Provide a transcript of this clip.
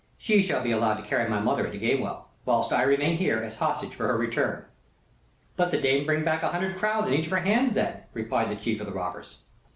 She shall be allowed to carry my mother into Gamewell, whilst I remain here, as hostage, for her return." "Let the dame bring back a hundred crowns in each of her hands, then," replied the chief of the robbers.